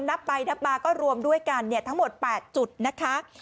นับไปนับมาก็รวมด้วยกันทั้งหมด๘จุดนะคะ